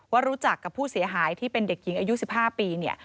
รู้จักกับผู้เสียหายที่เป็นเด็กหญิงอายุ๑๕ปีเนี่ย